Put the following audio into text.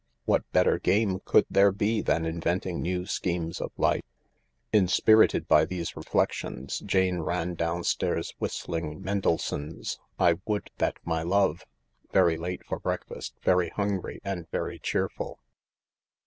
What better game could there be than inventing new schemes of life ? 166 THE LARK 167 Inspirited by these reflections, Jane ran downstairs whist ling Mendelssohn's " I would that my love," very late for breakfast, very hungry, and very cheerful.